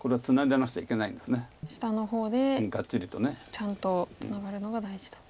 ちゃんとツナがるのが大事と。